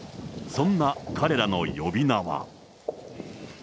そんな彼らの呼び名は。